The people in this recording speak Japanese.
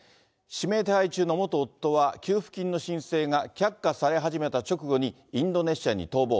指名手配中の元夫は、給付金の申請が却下され始めた直後に、インドネシアに逃亡。